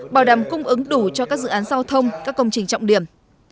bảo đảm cung ứng đủ cho các dự án giao thông các công trình trọng điểm